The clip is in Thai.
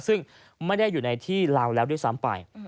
ซึ่งไม่ได้อยู่ในที่ลาวแล้วด้วยซ้ำไป